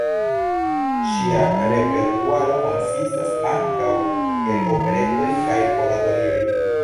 Ŝia repertuaro konsistas ankaŭ el operetoj kaj oratorioj.